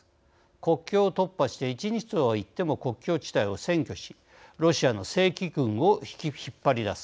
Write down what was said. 国境を突破して１日とはいっても国境地帯を占拠しロシアの正規軍を引っ張り出す。